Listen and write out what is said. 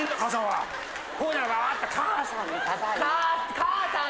母さん。